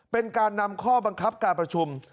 เป็นการนำข้อบังคับการประชุม